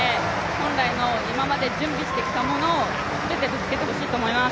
本来の今まで準備してきたものを全てぶつけてほしいと思います。